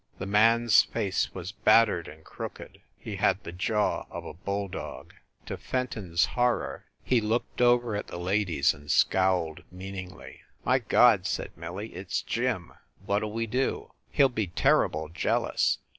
The man s face was bat tered and crooked, he had the jaw of a bulldog. To Fenton s horror, he looked over at the ladies and scowled meaningly. "My God," said Millie, "it s Jim! What ll we do? He ll be terrible jealous.